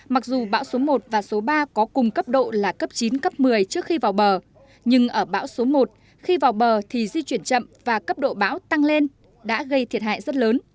mặc dù bão số một và số ba có cùng cấp độ là cấp chín cấp một mươi trước khi vào bờ nhưng ở bão số một khi vào bờ thì di chuyển chậm và cấp độ bão tăng lên đã gây thiệt hại rất lớn